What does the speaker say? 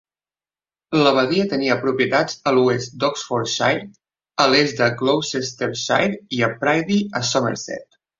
L'abadia tenia propietats a l'oest d'Oxfordshire, a l'est de Gloucestershire i a Priddy a Somerset.